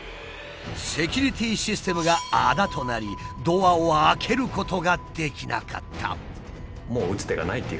セキュリティーシステムがあだとなりドアを開けることができなかった。